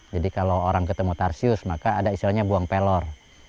kalau orang ketemu tarsius maka ada istilahnya buang pelor